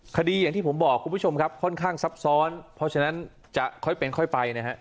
คดีอย่างที่ผมบอกคุณผู้ชมครับค่อนข้างซับซ้อนเพราะฉะนั้นจะค่อยเป็นค่อยไปนะครับ